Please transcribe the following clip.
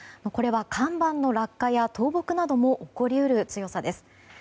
これは看板の落下や倒木なども起こり得る強さです。